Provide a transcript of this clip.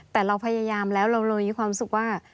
แต่เราพยายามแล้วเราเลยมีความรู้สึกว่า